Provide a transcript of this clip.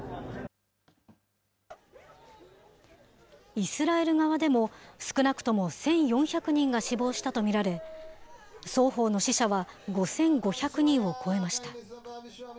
イスラエル側でも少なくとも１４００人が死亡したと見られ、双方の死者は５５００人を超えました。